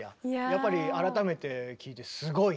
やっぱり改めて聴いてすごいね。